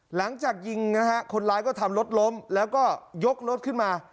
หลังจากยิงนะฮะคนร้ายก็ทำรถล้มแล้วก็ยกรถขึ้นมา